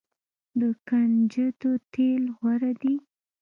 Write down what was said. د کنجدو تیل غوره دي.